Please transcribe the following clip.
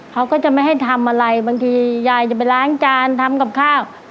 เขาก็จะไม่ให้ทำอะไรบางทียายจะไปล้างจานทำกับข้าว